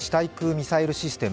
ミサイルシステム